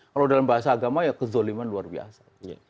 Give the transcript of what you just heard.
kalau dalam bahasa agama ya kezoliman luar biasa